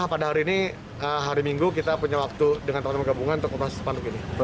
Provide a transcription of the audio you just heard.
pelanggaran yang digabungkan